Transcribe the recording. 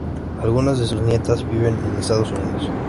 Algunas de sus nietas viven en Estados Unidos.